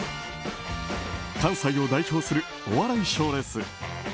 関西を代表するお笑い賞レース